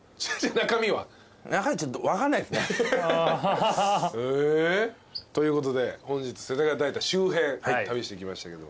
中身ちょっと分かんないっすね。ということで本日世田谷代田周辺旅してきましたけど。